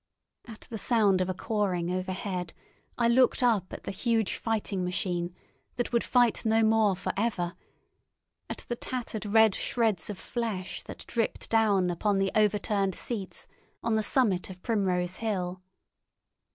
At the sound of a cawing overhead I looked up at the huge fighting machine that would fight no more for ever, at the tattered red shreds of flesh that dripped down upon the overturned seats on the summit of Primrose Hill.